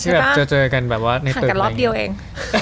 ห่างกันรอบเดียวเอง